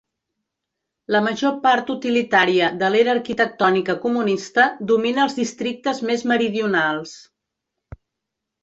La major part utilitària de l'era arquitectònica comunista domina els districtes més meridionals.